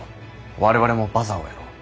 我々もバザーをやろう。